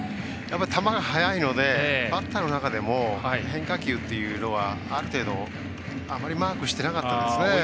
球が速いので、バッターの中でも変化球っていうのはある程度あまりマークしてなかったんですね。